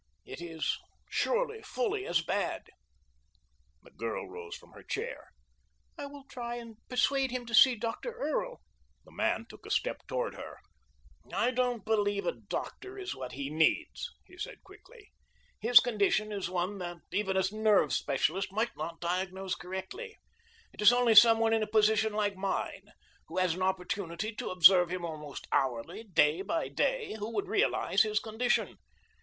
"It is surely fully as bad." The girl rose slowly from the chair. "I will try and persuade him to see Dr. Earle." The man took a step toward her. "I don't believe a doctor is what he needs," he said quickly. "His condition is one that even a nerve specialist might not diagnose correctly. It is only some one in a position like mine, who has an opportunity to observe him almost hourly, day by day, who would realize his condition.